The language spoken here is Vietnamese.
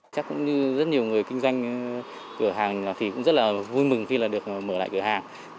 chắc cũng như rất nhiều người kinh doanh cửa hàng thì cũng rất là vui mừng khi được mở lại cửa hàng